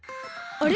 あれ？